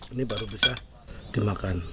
ini baru bisa dimakan